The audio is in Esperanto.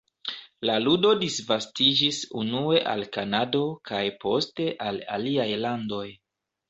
La ludo disvastiĝis unue al Kanado kaj poste al aliaj landoj.